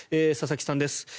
佐々木さんです。